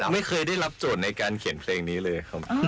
ไม่เคยได้รับโจทย์ในการเขียนเพลงนี้เลยครับ